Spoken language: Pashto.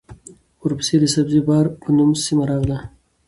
ورپسې د سبزه بار په نوم سیمه راغلې